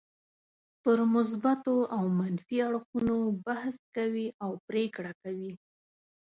پر مثبتو او منفي اړخونو بحث کوي او پرېکړه کوي.